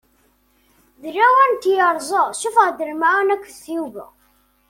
D lawan n tyerza, suffeɣ-d lmaɛun akked tyuga!